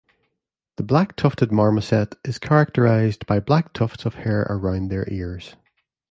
The black-tufted marmoset is characterized by black tufts of hair around their ears.